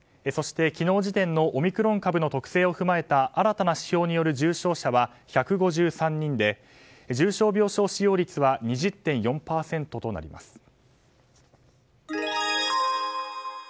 そして昨日時点のオミクロン株の特性を踏まえた新たな指標による重症者は１５３人で重症病床使用率は２０．４％となります。